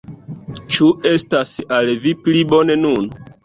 Ĉu estas al vi pli bone nun?